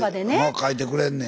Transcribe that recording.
書いてくれんねや。